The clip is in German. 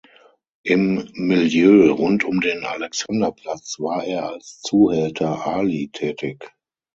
Im „Milieu rund um den Alexanderplatz“ war er als Zuhälter „Ali“ tätig.